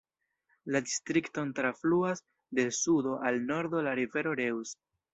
La distrikton trafluas de sudo al nordo la rivero Reuss.